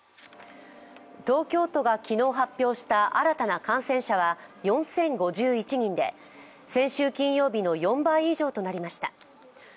東京都が昨日発表した新たな感染者は４０５１人で先週金曜日の４倍以上となりました